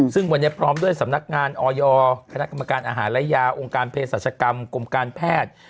ซึ่งพร้อมด้วยสำนักงานออยอร์กรรมการอาหารและยาวงการเพจศาสตรกรรมกรมการแพทย์